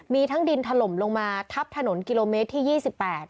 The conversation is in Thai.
มีทั้งดินถล่มลงมาทับถนนกิโลเมตรที่ยี่สิบแปด